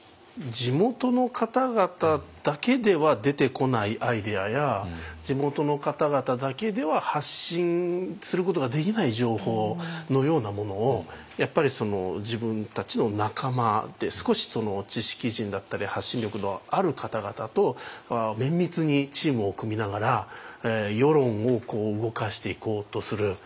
地元の方々だけでは出てこないアイデアや地元の方々だけでは発信することができない情報のようなものをやっぱり自分たちの仲間で少し知識人だったり発信力のある方々と綿密にチームを組みながら世論を動かしていこうとする。